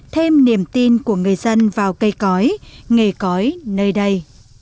thêm niềm tin của người dân vào cây cõi nghề cói nơi đây